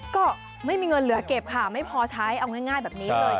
ก็ไม่มีเงินเหลือเก็บค่ะไม่พอใช้เอาง่ายแบบนี้เลย